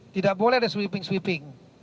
tidak boleh ada sweeping sweeping